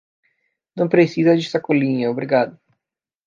Não precisa de sacolinha, obrigado.